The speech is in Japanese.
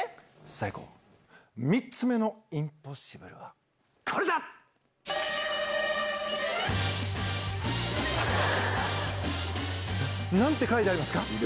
さあいこう、３つ目のインポッシブルはこれだ！なんて書いてありますか？